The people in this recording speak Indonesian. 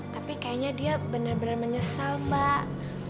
tapi kayaknya dia bener bener menyesal mbak